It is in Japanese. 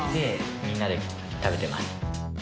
みんなで食べてます。